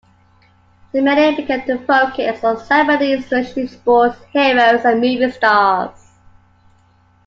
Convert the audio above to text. The media began to focus on celebrities, especially sports heroes and movie stars.